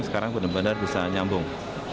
sekarang benar benar bisa nyambung